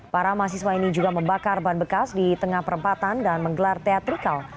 para mahasiswa ini juga membakar ban bekas di tengah perempatan dan menggelar teatrikal